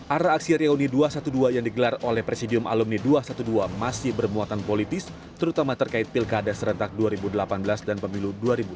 arah aksi reuni dua ratus dua belas yang digelar oleh presidium alumni dua ratus dua belas masih bermuatan politis terutama terkait pilkada serentak dua ribu delapan belas dan pemilu dua ribu sembilan belas